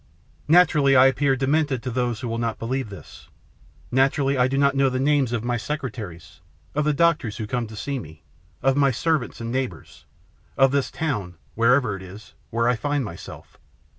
Naturally I appear demented to those who will not believe this, naturally I do not know the names of my secretaries, of the doctors who come to see me, of my servants and neighbours, of this town (where ever it is) where I find myself.